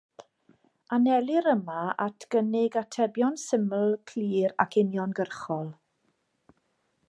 Anelir yma at gynnig atebion syml, clir ac uniongyrchol.